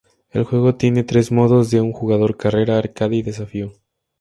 El juego tiene tres modos de un jugador: Carrera, Arcade, y Desafío.